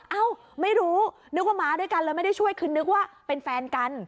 เอ้าไม่รู้นึกว่าม้าด้วยกันเลยไม่ได้ช่วยคือนึกว่าเป็นแฟนกัน